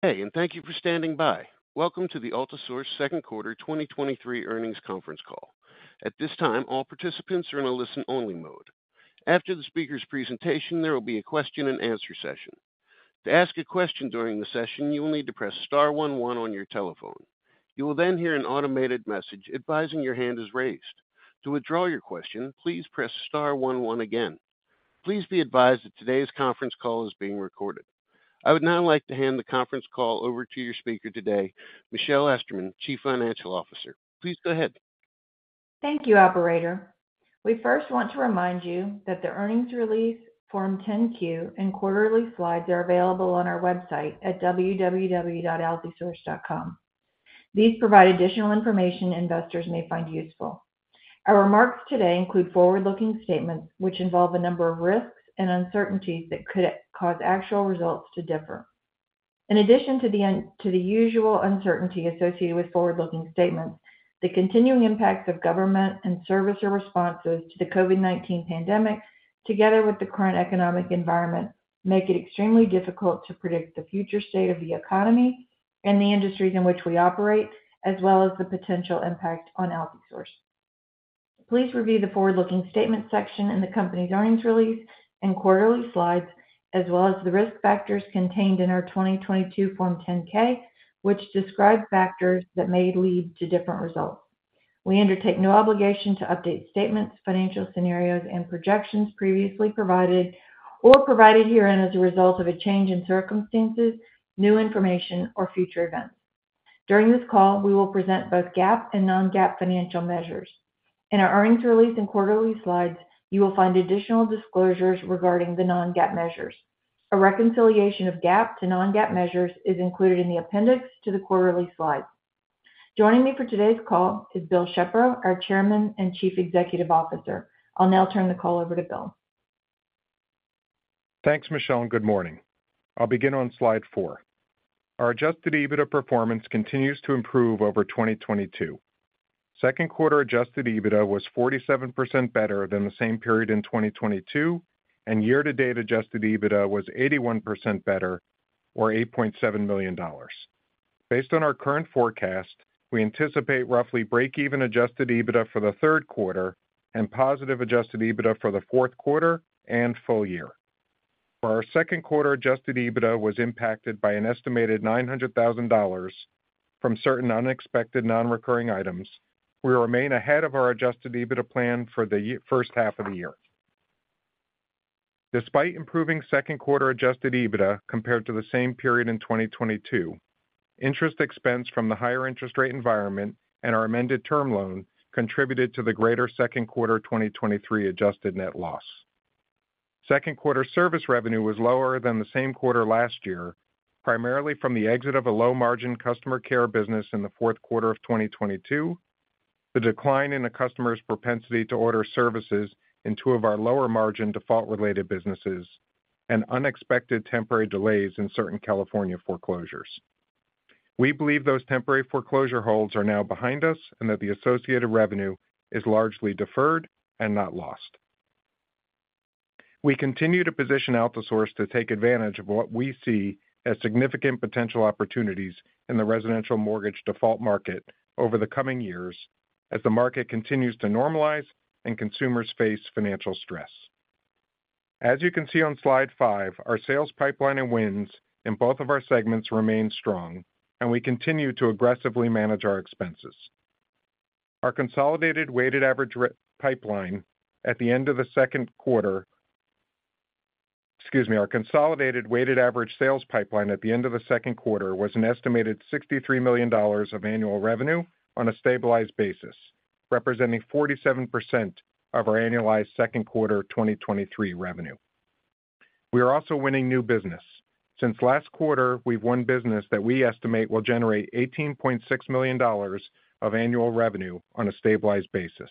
Hey, thank you for standing by. Welcome to the Altisource Second Quarter 2023 Earnings Conference Call. At this time, all participants are in a listen-only mode. After the speaker's presentation, there will be a question-and-answer session. To ask a question during the session, you will need to press star one one on your telephone. You will then hear an automated message advising your hand is raised. To withdraw your question, please press star one-one again. Please be advised that today's conference call is being recorded. I would now like to hand the conference call over to your speaker today, Michelle Esterman, Chief Financial Officer. Please go ahead. Thank you, operator. We first want to remind you that the earnings release, Form 10-Q, and quarterly slides are available on our website at www.altisource.com. These provide additional information investors may find useful. Our remarks today include forward-looking statements, which involve a number of risks and uncertainties that could cause actual results to differ. In addition to the usual uncertainty associated with forward-looking statements, the continuing impacts of government and servicer responses to the COVID-19 pandemic, together with the current economic environment, make it extremely difficult to predict the future state of the economy and the industries in which we operate, as well as the potential impact on Altisource. Please review the forward-looking statements section in the company's earnings release and quarterly slides, as well as the risk factors contained in our 2022 Form 10-K, which describe factors that may lead to different results. We undertake no obligation to update statements, financial scenarios, and projections previously provided or provided herein as a result of a change in circumstances, new information, or future events. During this call, we will present both GAAP and non-GAAP financial measures. In our earnings release and quarterly slides, you will find additional disclosures regarding the non-GAAP measures. A reconciliation of GAAP to non-GAAP measures is included in the appendix to the quarterly slides. Joining me for today's call is Bill Shepro, our Chairman and Chief Executive Officer. I'll now turn the call over to Bill. Thanks, Michelle. Good morning. I'll begin on slide four. Our Adjusted EBITDA performance continues to improve over 2022. second quarter Adjusted EBITDA was 47% better than the same period in 2022, and year-to-date Adjusted EBITDA was 81% better or $8.7 million. Based on our current forecast, we anticipate roughly break-even Adjusted EBITDA for the third quarter and positive Adjusted EBITDA for the fourth quarter and full year. For our second quarter, Adjusted EBITDA was impacted by an estimated $900,000 from certain unexpected non-recurring items. We remain ahead of our Adjusted EBITDA plan for the first half of the year. Despite improving second quarter Adjusted EBITDA compared to the same period in 2022, interest expense from the higher interest rate environment and our amended term loan contributed to the greater second quarter 2023 adjusted net loss. Second quarter service revenue was lower than the same quarter last year, primarily from the exit of a low-margin customer care business in the fourth quarter of 2022, the decline in the customer's propensity to order services in two of our lower-margin default-related businesses, and unexpected temporary delays in certain California foreclosures. We believe those temporary foreclosure holds are now behind us and that the associated revenue is largely deferred and not lost. We continue to position Altisource to take advantage of what we see as significant potential opportunities in the residential mortgage default market over the coming years as the market continues to normalize and consumers face financial stress. As you can see on slide five, our sales pipeline and wins in both of our segments remain strong, and we continue to aggressively manage our expenses. Our consolidated weighted average sales pipeline at the end of the second quarter was an estimated $63 million of annual revenue on a stabilized basis, representing 47% of our annualized second quarter 2023 revenue. We are also winning new business. Since last quarter, we've won business that we estimate will generate $18.6 million of annual revenue on a stabilized basis.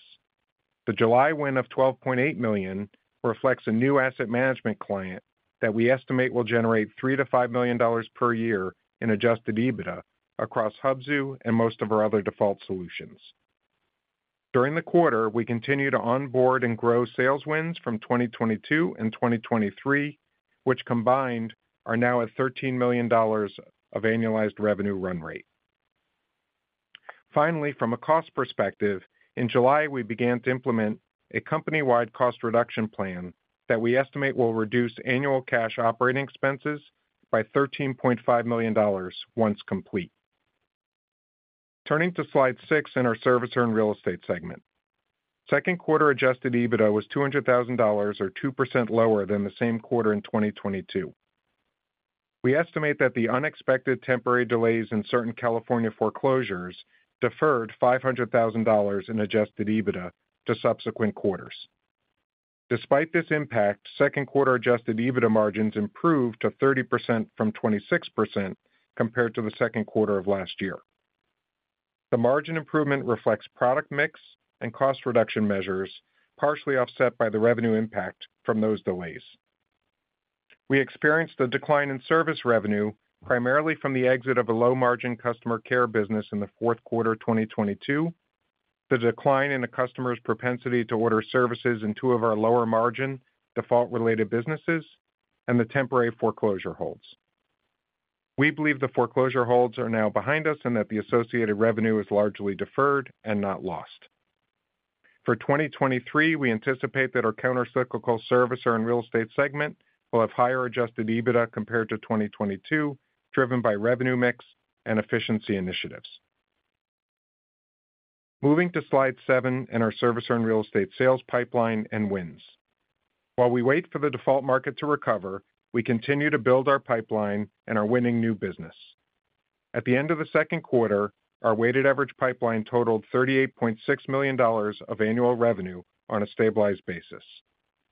The July win of $12.8 million reflects a new asset management client that we estimate will generate $3-$5 million per year in adjusted EBITDA across Hubzu and most of our other default solutions. During the quarter, we continued to onboard and grow sales wins from 2022 and 2023, which combined are now at $13 million of annualized revenue run rate. From a cost perspective, in July, we began to implement a company-wide cost reduction plan that we estimate will reduce annual cash operating expenses by $13.5 million once complete. Turning to slide six in our Servicer and Real Estate segment. Second quarter Adjusted EBITDA was $200,000 or 2% lower than the same quarter in 2022. We estimate that the unexpected temporary delays in certain California foreclosures deferred $500,000 in Adjusted EBITDA to subsequent quarters. Despite this impact, second quarter Adjusted EBITDA margins improved to 30% from 26% compared to the second quarter of last year. The margin improvement reflects product mix and cost reduction measures, partially offset by the revenue impact from those delays. We experienced a decline in service revenue, primarily from the exit of a low-margin customer care business in the fourth quarter of 2022. The decline in the customer's propensity to order services in two of our lower margin default-related businesses and the temporary foreclosure holds. We believe the foreclosure holds are now behind us and that the associated revenue is largely deferred and not lost. For 2023, we anticipate that our countercyclical Servicer and Real Estate segment will have higher Adjusted EBITDA compared to 2022, driven by revenue mix and efficiency initiatives. Moving to slide seven in our Servicer and Real Estate sales pipeline and wins. While we wait for the default market to recover, we continue to build our pipeline and are winning new business. At the end of the second quarter, our weighted average pipeline totaled $38.6 million of annual revenue on a stabilized basis.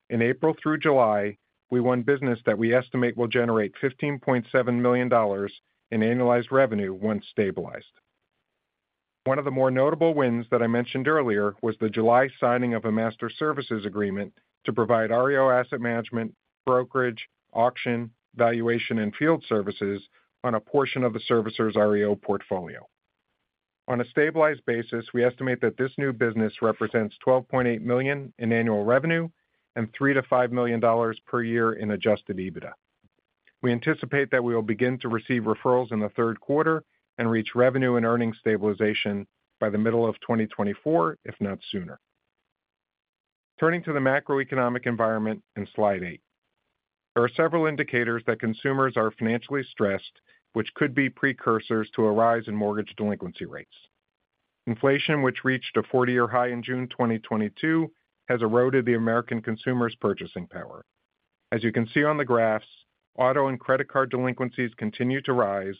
In April through July, we won business that we estimate will generate $15.7 million in annualized revenue once stabilized. One of the more notable wins that I mentioned earlier was the July signing of a master services agreement to provide REO asset management, brokerage, auction, valuation, and field services on a portion of the Servicer's REO portfolio. On a stabilized basis, we estimate that this new business represents $12.8 million in annual revenue and $3 million-$5 million per year in Adjusted EBITDA. We anticipate that we will begin to receive referrals in the third quarter and reach revenue and earnings stabilization by the middle of 2024, if not sooner. Turning to the macroeconomic environment in slide eight. There are several indicators that consumers are financially stressed, which could be precursors to a rise in mortgage delinquency rates. Inflation, which reached a 40-year high in June 2022, has eroded the American consumer's purchasing power. As you can see on the graphs, auto and credit card delinquencies continue to rise,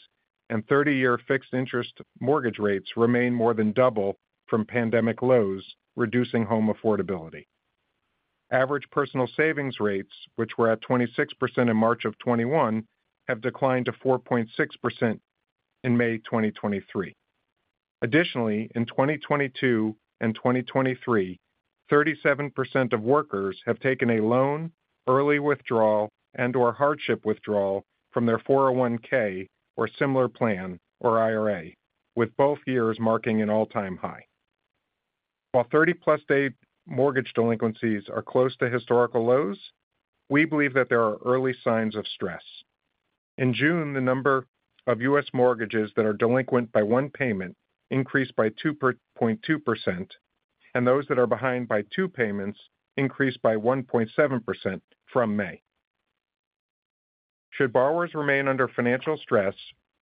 and 30-year fixed interest mortgage rates remain more than double from pandemic lows, reducing home affordability. Average personal savings rates, which were at 26% in March 2021, have declined to 4.6% in May 2023. Additionally, in 2022 and 2023, 37% of workers have taken a loan, early withdrawal, and/or hardship withdrawal from their 401(k) or similar plan or IRA, with both years marking an all-time high. While 30+ day mortgage delinquencies are close to historical lows, we believe that there are early signs of stress. In June, the number of U.S. mortgages that are delinquent by one payment increased by 2.2%, and those that are behind by two payments increased by 1.7% from May. Should borrowers remain under financial stress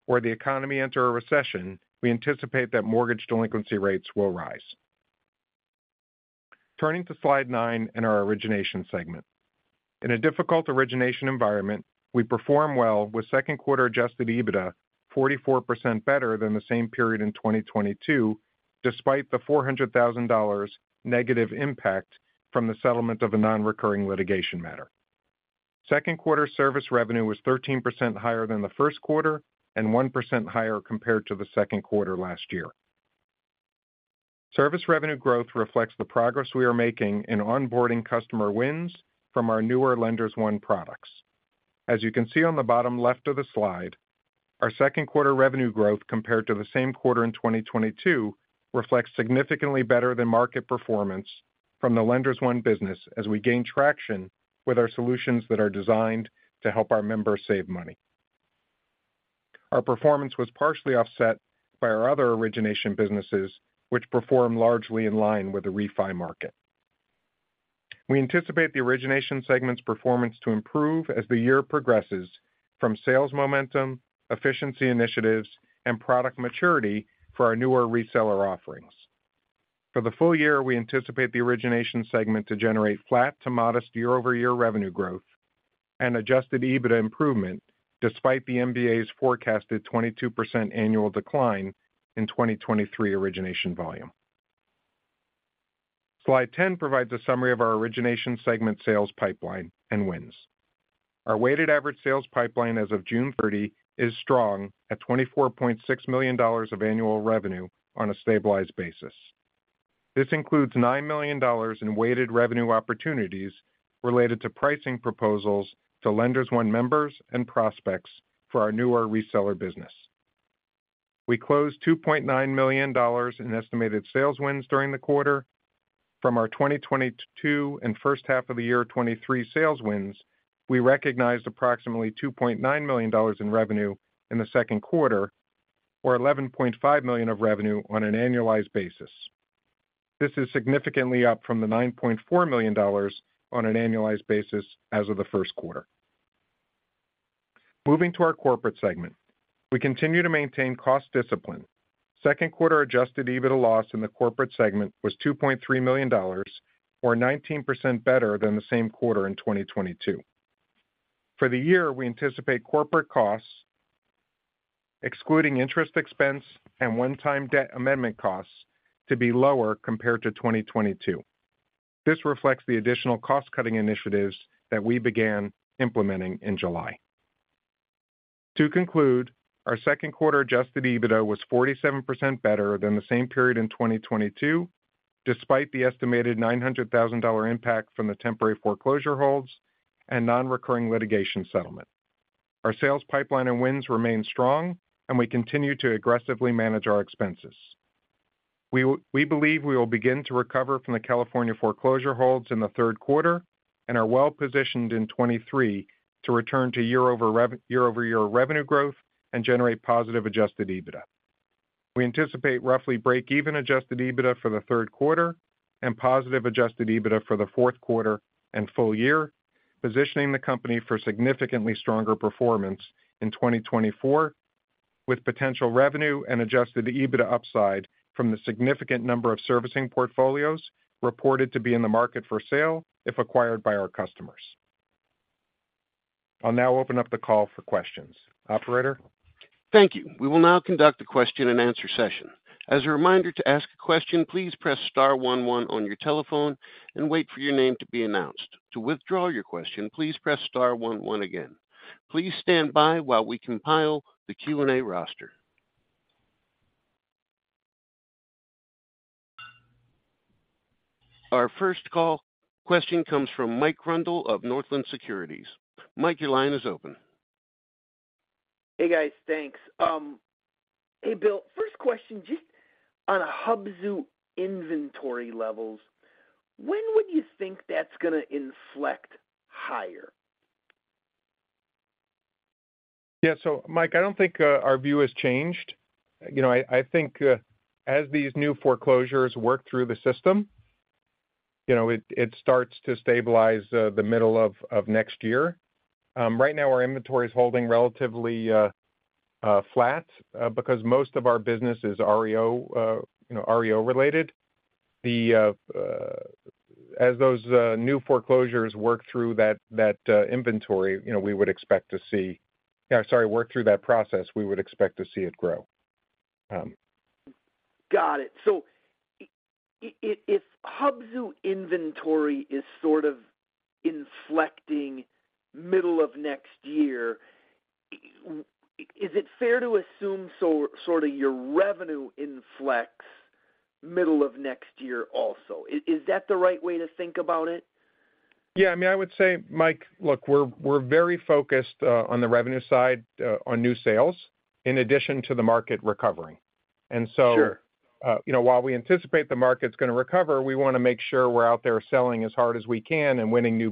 or the economy enter a recession, we anticipate that mortgage delinquency rates will rise. Turning to slide nine in our Origination segment. In a difficult Origination environment, we perform well with second quarter Adjusted EBITDA 44% better than the same period in 2022, despite the $400,000 negative impact from the settlement of a non-recurring litigation matter. Second quarter service revenue was 13% higher than the first quarter and 1% higher compared to the second quarter last year. Service revenue growth reflects the progress we are making in onboarding customer wins from our newer Lenders One products. As you can see on the bottom left of the slide, our second quarter revenue growth compared to the same quarter in 2022 reflects significantly better than market performance from the Lenders One business as we gain traction with our solutions that are designed to help our members save money. Our performance was partially offset by our other origination businesses, which perform largely in line with the refi market. We anticipate the Origination segment's performance to improve as the year progresses from sales momentum, efficiency initiatives, and product maturity for our newer reseller offerings. For the full year, we anticipate the Origination segment to generate flat to modest year-over-year revenue growth and Adjusted EBITDA improvement, despite the MBA's forecasted 22% annual decline in 2023 Origination volume. Slide 10 provides a summary of our Origination segment sales pipeline and wins. Our weighted average sales pipeline as of June 30 is strong at $24.6 million of annual revenue on a stabilized basis. This includes $9 million in weighted revenue opportunities related to pricing proposals to Lenders One members and prospects for our newer reseller business. We closed $2.9 million in estimated sales wins during the quarter. From our 2022 and first half of 2023 sales wins, we recognized approximately $2.9 million in revenue in the second quarter, or $11.5 million of revenue on an annualized basis. This is significantly up from the $9.4 million on an annualized basis as of the 1st quarter. Moving to our Corporate segment. We continue to maintain cost discipline. Second quarter Adjusted EBITDA loss in the corporate segment was $2.3 million, or 19% better than the same quarter in 2022. For the year, we anticipate corporate costs, excluding interest expense and one-time debt amendment costs, to be lower compared to 2022. This reflects the additional cost-cutting initiatives that we began implementing in July. To conclude, our second quarter Adjusted EBITDA was 47% better than the same period in 2022, despite the estimated $900,000 impact from the temporary foreclosure holds and non-recurring litigation settlement. Our sales pipeline and wins remain strong, and we continue to aggressively manage our expenses. We believe we will begin to recover from the California foreclosure holds in the third quarter and are well-positioned in 2023 to return to year-over-year revenue growth and generate positive Adjusted EBITDA. We anticipate roughly break-even Adjusted EBITDA for the third quarter and positive Adjusted EBITDA for the fourth quarter and full year, positioning the company for significantly stronger performance in 2024, with potential revenue and Adjusted EBITDA upside from the significant number of servicing portfolios reported to be in the market for sale if acquired by our customers. I'll now open up the call for questions. Operator? Thank you. We will now conduct a question-and-answer session. As a reminder, to ask a question, please press star one, one on your telephone and wait for your name to be announced. To withdraw your question, please press star one-one again. Please stand by while we compile the Q&A roster. Our first call question comes from Mike Rundle of Northland Securities. Mike, your line is open. Hey, guys. Thanks. Hey, Bill, first question, just on a Hubzu inventory levels, when would you think that's going to inflect higher? Yeah. Mike, I don't think our view has changed. You know, I think as these new foreclosures work through the system, you know, it starts to stabilize the middle of next year. Right now, our inventory is holding relatively flat because most of our business is REO, you know, REO-related. The... As those new foreclosures work through that inventory, you know, we would expect to see, yeah, sorry, work through that process, we would expect to see it grow. Got it. If Hubzu inventory is sort of inflecting middle of next year, is it fair to assume, sort of your revenue inflects middle of next year also? Is that the right way to think about it? I mean, I would say, Mike, look, we're very focused on the revenue side, on new sales, in addition to the market recovering. Sure. You know, while we anticipate the market's going to recover, we want to make sure we're out there selling as hard as we can and winning new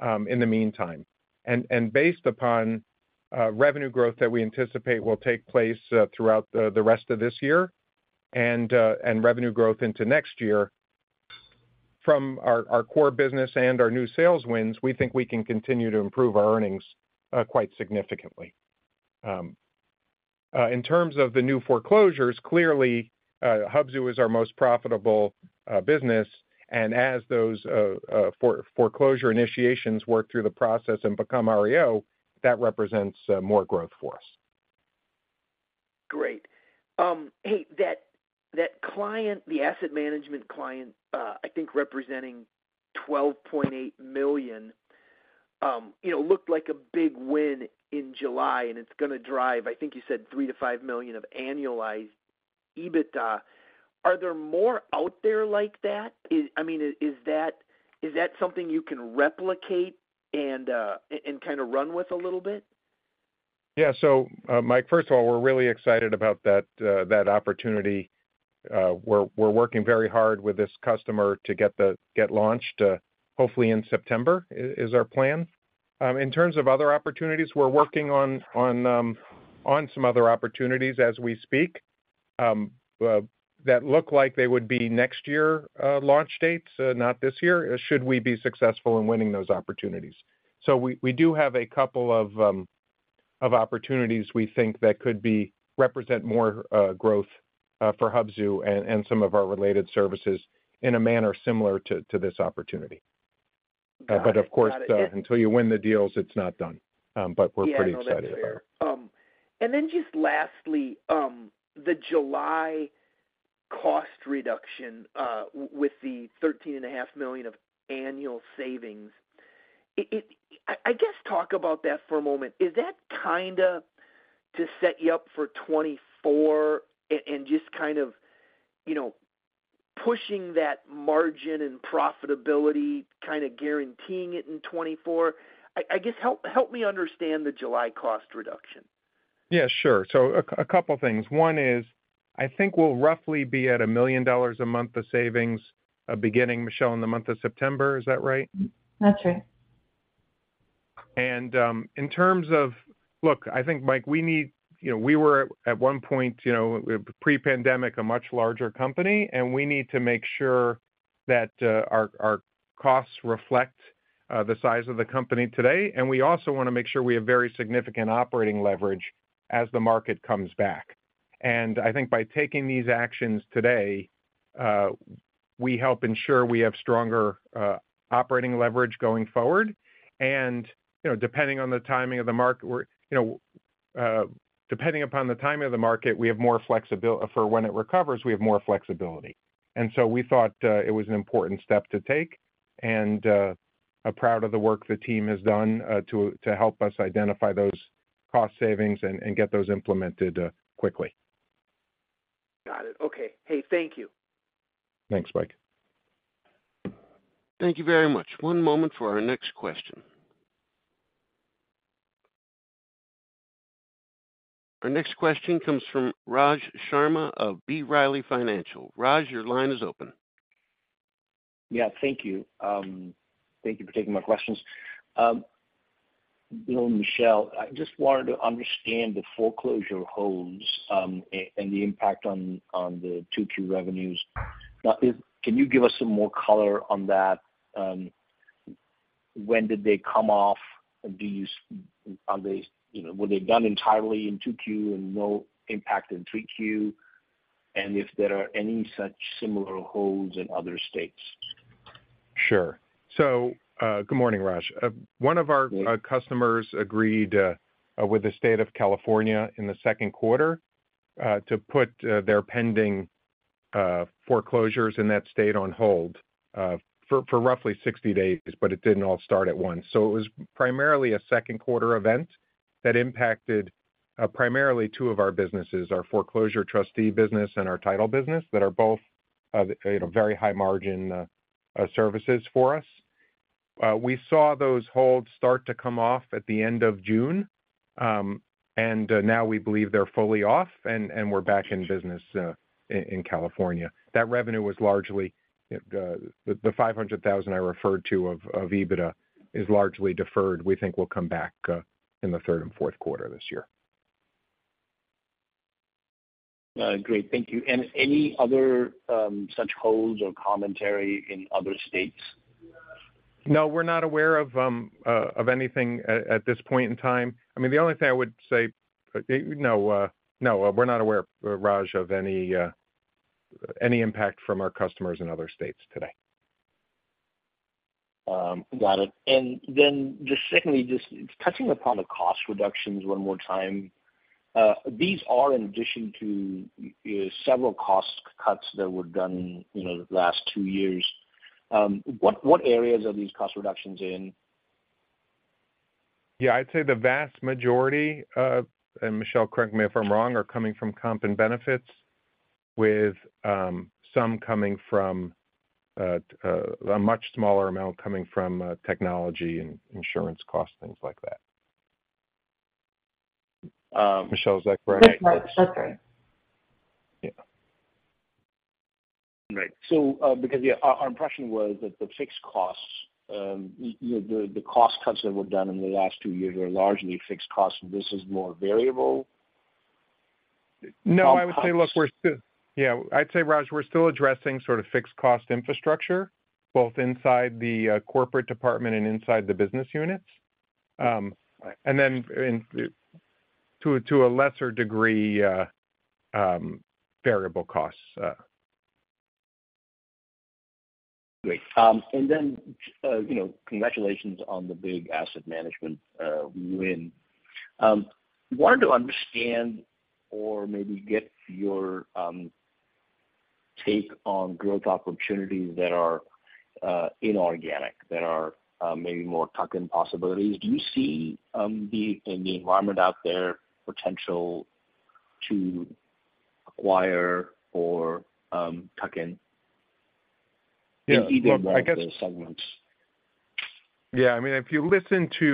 business in the meantime. Based upon revenue growth that we anticipate will take place throughout the rest of this year and revenue growth into next year, from our core business and our new sales wins, we think we can continue to improve our earnings quite significantly. In terms of the new foreclosures, clearly, Hubzu is our most profitable business, and as those foreclosure initiations work through the process and become REO, that represents more growth for us. Great. Hey, that, that client, the asset management client, I think representing $12.8 million, you know, looked like a big win in July. It's going to drive, I think you said $3 million-$5 million of annualized EBITDA. Are there more out there like that? I, I mean, is, is that, is that something you can replicate and kind of run with a little bit? Mike, first of all, we're really excited about that, that opportunity. We're working very hard with this customer to get launched, hopefully in September, is our plan. In terms of other opportunities, we're working on some other opportunities as we speak, that look like they would be next year launch dates, not this year, should we be successful in winning those opportunities. We do have a couple of opportunities we think that could represent more growth for Hubzu and some of our related services in a manner similar to this opportunity. Got it. Of course, until you win the deals, it's not done. We're pretty excited about it. Yeah, I know that's right. Then just lastly, the July cost reduction, with the $13.5 million of annual savings. I guess, talk about that for a moment. Is that kind of to set you up for 2024 and just kind of, you know, pushing that margin and profitability, kind of guaranteeing it in 2024? I guess, help me understand the July cost reduction. Yeah, sure. A couple of things. One is, I think we'll roughly be at $1 million a month of savings, beginning, Michelle, in the month of September. Is that right? That's right. In terms of... Look, I think, Mike, we need, you know, we were at one point, you know, pre-pandemic, a much larger company, and we need to make sure that our costs reflect the size of the company today. We also want to make sure we have very significant operating leverage as the market comes back. I think by taking these actions today, we help ensure we have stronger operating leverage going forward. You know, depending on the timing of the market, we're, you know, depending upon the timing of the market, we have more flexibility for when it recovers, we have more flexibility. We thought it was an important step to take, and I'm proud of the work the team has done to help us identify those cost savings and get those implemented quickly. Got it. Okay. Hey, thank you. Thanks, Mike. Thank you very much. One moment for our next question. Our next question comes from Raj Sharma of B. Riley Financial. Raj, your line is open. Yeah, thank you. Thank you for taking my questions. Bill, Michelle, I just wanted to understand the foreclosure holds and the impact on the two key revenues. Now, can you give us some more color on that? When did they come off? Are they, you know, were they done entirely in 2Q and no impact in 3Q? If there are any such similar holds in other states? Sure. Good morning, Raj. One of our customers agreed with the state of California in the second quarter to put their pending foreclosures in that state on hold for roughly 60 days, but it didn't all start at once. It was primarily a second quarter event that impacted primarily two of our businesses, our foreclosure trustee business and our title business, that are both, you know, very high margin services for us. We saw those holds start to come off at the end of June. Now we believe they're fully off and we're back in business in California. That revenue was largely the $500,000 I referred to of EBITDA, is largely deferred. We think we'll come back, in the third and fourth quarter this year. Great. Thank you. Any other such holds or commentary in other states? No, we're not aware of anything at this point in time. I mean, the only thing I would say, no, we're not aware, Raj, of any impact from our customers in other states today. Got it. Just secondly, just touching upon the cost reductions one more time. These are in addition to several cost cuts that were done, you know, the last two years. What areas are these cost reductions in? Yeah, I'd say the vast majority of, and Michelle, correct me if I'm wrong, are coming from comp and benefits, with, some coming from, a much smaller amount coming from, technology and insurance costs, things like that. Um- Michelle, is that correct? That's right. Okay. Yeah. Right. Because our impression was that the fixed costs, you know, the cost cuts that were done in the last two years are largely fixed costs, and this is more variable? No, I would say, look, Yeah, I'd say, Raj, we're still addressing sort of fixed cost infrastructure, both inside the Corporate department and inside the business units. And then in, to a lesser degree, variable costs. Great. You know, congratulations on the big asset management, win. Wanted to understand or maybe get your, take on growth opportunities that are, inorganic, that are, maybe more tuck-in possibilities. Do you see, the, in the environment out there, potential to acquire or, tuck in? Yeah, look. In either one of those segments? Yeah, I mean, if you listen to,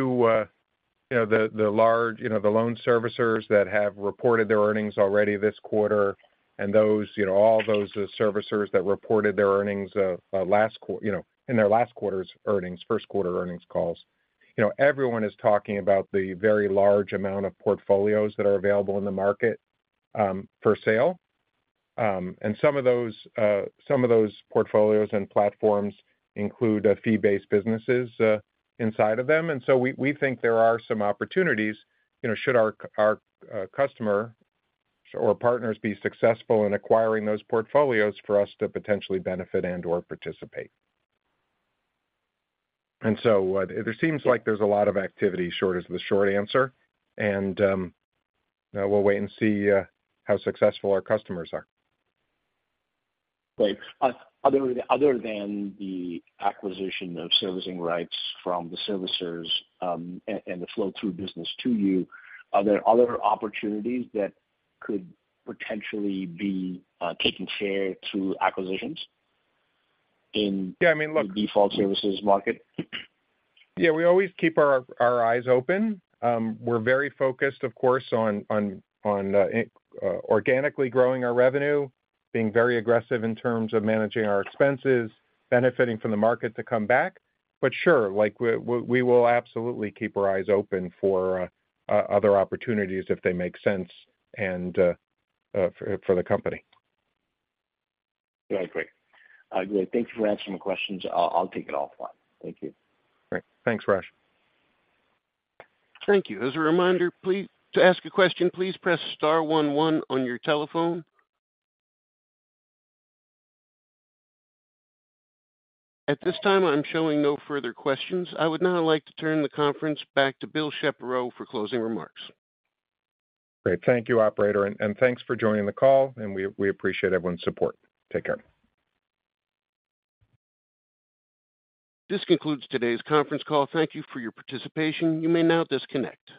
you know, the, the large, you know, the loan servicers that have reported their earnings already this quarter, and those, you know, all those servicers that reported their earnings, last quarter, you know, in their last quarter's earnings, first quarter earnings calls. You know, everyone is talking about the very large amount of portfolios that are available in the market, for sale. Some of those, some of those portfolios and platforms include, fee-based businesses, inside of them. We, we think there are some opportunities, you know, should our customer or partners be successful in acquiring those portfolios for us to potentially benefit and/or participate. There seems like there's a lot of activity, short is the short answer, and we'll wait and see how successful our customers are. Great. Other than the acquisition of servicing rights from the servicers, and the flow through business to you, are there other opportunities that could potentially be taking share through acquisitions? Yeah, I mean. The default services market? Yeah, we always keep our eyes open. We're very focused, of course, on organically growing our revenue, being very aggressive in terms of managing our expenses, benefiting from the market to come back. Sure, like, we will absolutely keep our eyes open for other opportunities if they make sense and for the company. Yeah, great. Great. Thank you for answering my questions. I'll take it off line. Thank you. Great. Thanks, Raj. Thank you. As a reminder, please, to ask a question, please press star one one on your telephone. At this time, I'm showing no further questions. I would now like to turn the conference back to Bill Shepro for closing remarks. Great. Thank you, operator, and thanks for joining the call, and we appreciate everyone's support. Take care. This concludes today's conference call. Thank you for your participation. You may now disconnect.